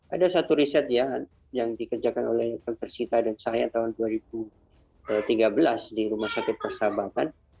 ada satu riset ya yang dikerjakan oleh dokter sita dan saya tahun dua ribu tiga belas di rumah sakit persahabatan